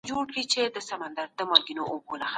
آیا تاسو کله په کمپيوټر پوهنه کي ستونزه لیدلې؟